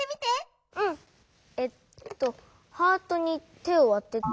えっとハートに手をあてて。